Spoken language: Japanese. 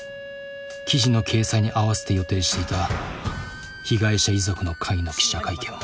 記事の掲載に合わせて予定していた被害者遺族の会の記者会見も。